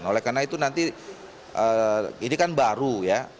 oleh karena itu nanti ini kan baru ya